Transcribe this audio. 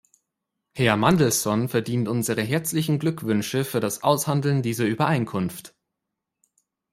Herr Mandelson verdient unsere herzlichen Glückwünsche für das Aushandeln dieser Übereinkunft.